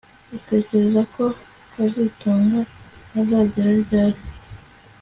Utekereza ko kazitunga azagera ryari